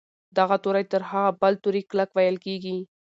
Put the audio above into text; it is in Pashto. دغه توری تر هغه بل توري کلک ویل کیږي.